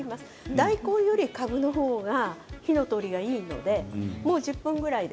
大根より、かぶのほうが火の通りがいいので１０分ぐらいで。